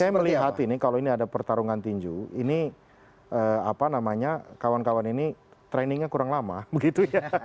saya melihat ini kalau ini ada pertarungan tinju ini apa namanya kawan kawan ini trainingnya kurang lama begitu ya